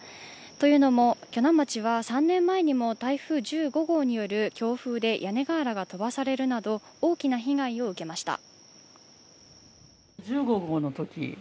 というのも、鋸南町は３年前にも台風１５号による強風で、屋根瓦が飛ばされるなど大きな被害を受けました。